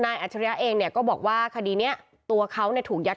น้ายอัจรุยะเองเนี่ยก็บอกว่าคดีนี้ตัวเขาเนี่ยถูกยัด